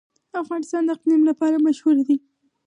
افغانستان د اقلیم لپاره مشهور دی.